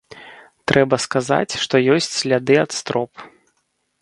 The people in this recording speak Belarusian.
Трэба сказаць, што ёсць сляды ад строп.